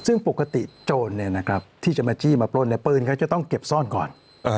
ซึ่งปกติโจรที่จะมาจี้มาปล้นปืนเขาจะต้องเก็บซ่อนก่อน